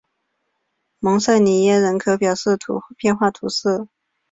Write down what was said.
蒙塞里耶人口变化图示